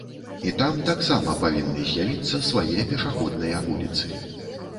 І там таксама павінны з'явіцца свае пешаходныя вуліцы.